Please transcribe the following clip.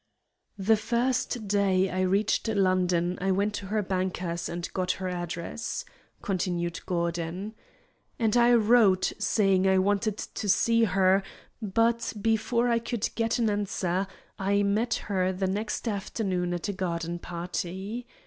"The first day I reached London I went to her banker's and got her address," continued Gordon. "And I wrote, saying I wanted to see her, but before I could get an answer I met her the next afternoon at a garden party.